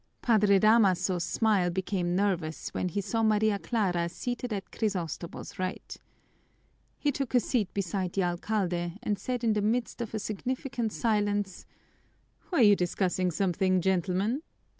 Padre Damaso's smile became nervous when he saw Maria Clara seated at Crisostomo's right. He took a seat beside the alcalde and said in the midst of a significant silence, "Were you discussing something, gentlemen?